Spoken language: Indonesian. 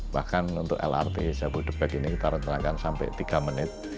bahkan untuk lrt jabodebek ini kita rencanakan sampai tiga menit